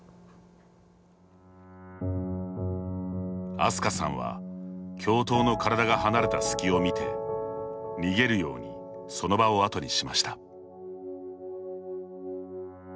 あすかさんは教頭の体が離れた隙をみて逃げるようにその場をあとにしました。